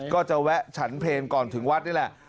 ก็จะแวะฉันเพลงก่อนถึงวัดนี่แหละ